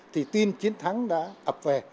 thì tin chiến thắng đã ập về